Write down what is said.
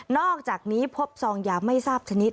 อกจากนี้พบซองยาไม่ทราบชนิด